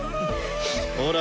ほら。